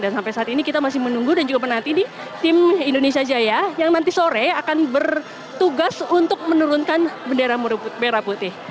dan sampai saat ini kita masih menunggu dan juga menanti nih tim indonesia jaya yang nanti sore akan bertugas untuk menurunkan bendera merah putih